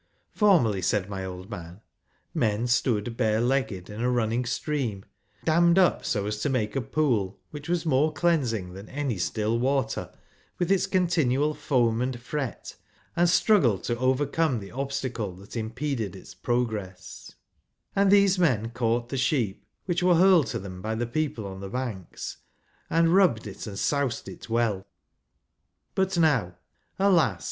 Formerly, said my old man, men stood bare legged in a running stream, dammed up so as to make a pool, which was more cleansing than any still water, with its continual foam, and fiet, and struggle to overcome the obstacle that impeded its progress : and these men caught the sheep, which were hurled to them by the people on the banks, and rubbed it and soused it well ; but now (alas